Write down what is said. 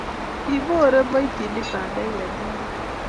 kiborroru kiboitinik bandek eng' mbaret